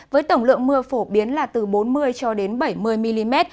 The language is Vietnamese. với tổng lượng mưa phổ biến là từ bốn mươi cho đến bảy mươi mm